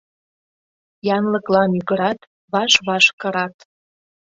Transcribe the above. Янлыкла мӱгырат, ваш-ваш кырат.